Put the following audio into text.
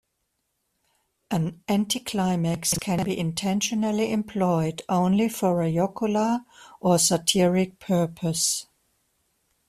An anticlimax can be intentionally employed only for a jocular or satiric purpose.